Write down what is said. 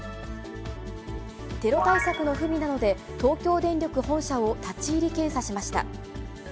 テロ対策の不備などで、東京電力本社を立ち入り検査しました。